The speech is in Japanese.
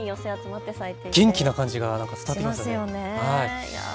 元気な感じが伝わってきますよね。